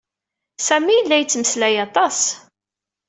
Sami yella yettmeslay aṭas.